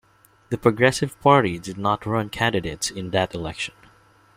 The Progressive Party did not run candidates in that election.